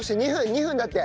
２分だって。